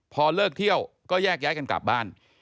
พอเลิกเที่ยวก็แยกย้ายกันกลับบ้าน